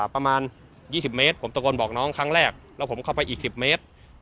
ประมาณ๒๐เมตรผมตะโกนบอกน้องครั้งแรกแล้วผมเข้าไปอีก๑๐เมตร